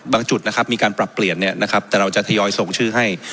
จุดนะครับมีการปรับเปลี่ยนเนี่ยนะครับแต่เราจะทยอยส่งชื่อให้